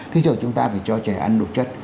thì rồi chúng ta phải cho trẻ ăn đủ chất